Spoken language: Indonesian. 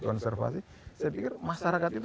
konservasi saya pikir masyarakat itu